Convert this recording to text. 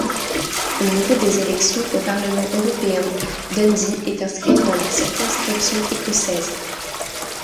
Au niveau des élections au Parlement européen, Dundee est inscrite dans la Circonscription écossaise.